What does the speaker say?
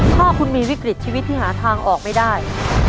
ถ้าคุณมีวิกฤตชีวิตที่หาทางออกไม่ได้